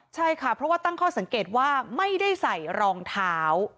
ใช่ค่ะเพราะว่าตั้งข้อสังเกตว่าไม่ได้ใส่รองเท้า